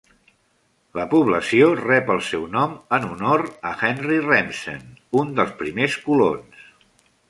La població rep el seu nom en honor a Henry Remsen, un dels primers colons.